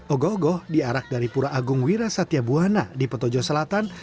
ogoh ogoh diarak dari pura agung wira satya buwana di petojo selatan